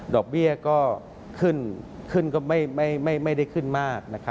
อกเบี้ยก็ขึ้นขึ้นก็ไม่ได้ขึ้นมาก